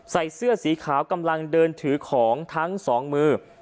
เสื้อสีขาวกำลังเดินถือของทั้งสองมือ